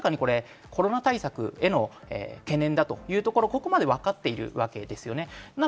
コロナ対策への懸念だというところが分かっているわけです。